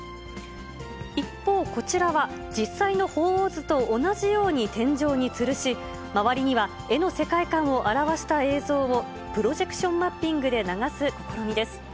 一方、こちらは、実際の鳳凰図と同じように天井につるし、周りには絵の世界観を表した映像を、プロジェクションマッピングで流す試みです。